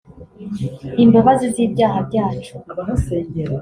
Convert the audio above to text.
Imbabazi z’ibyaha byacu